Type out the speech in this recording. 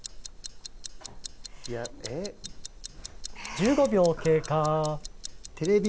１５秒経過。